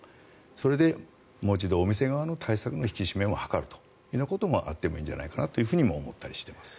それでもう一度お店側の対策の引き締めを図ることもあってもいいんじゃないかと思ったりもしています。